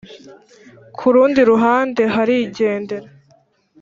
ku rundi ruhande h arigendera